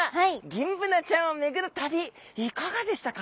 ギンブナちゃんを巡る旅いかがでしたか？